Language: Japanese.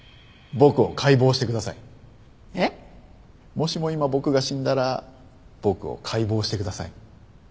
もしも今僕が死んだら僕を解剖してください。